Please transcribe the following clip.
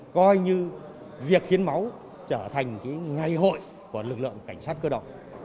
coi như việc hiến máu trở thành ngày hội của lực lượng cảnh sát cơ động